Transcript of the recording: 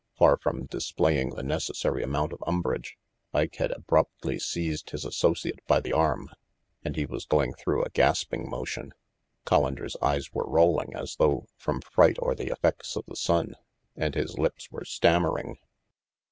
Far from displaying the necessary amount of umbrage, Ike had abruptly seized his associate by the arm and he was going through a gasping motion. Collander's eyes were rolling, as though from fright or the effects of the sun, and his lips were stammering.